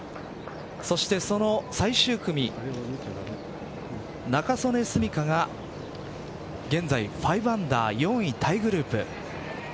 そしてその最終組仲宗根澄香が現在５アンダー４位タイグループ。